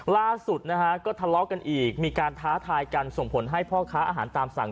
ล่าสุดนะฮะก็ทะเลาะกันอีกมีการท้าทายกันส่งผลให้พ่อค้าอาหารตามสั่ง